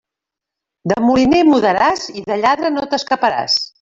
De moliner mudaràs i de lladre no t'escaparàs.